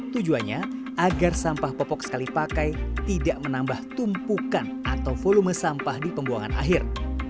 tujuannya agar sampah popok sekali pakai tidak menambah tumpukan atau volume sampah di pembuangan akhir